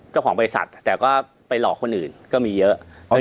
เจ้าของบริษัทแต่ก็ไปหลอกคนอื่นก็มีเยอะ